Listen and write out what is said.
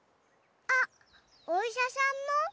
あっおいしゃさんの？